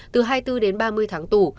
từ hai mươi bốn đến ba mươi tháng tù